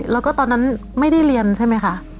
แล้วก็ตอนนั้นไม่ได้เรียนใช่ไหมคะ